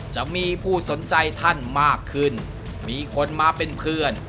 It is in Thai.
จะมีผู้สนใจท่านมากขึ้นมีคนมาเป็นเพื่อน